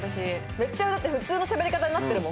めっちゃだって普通のしゃべり方になってるもん。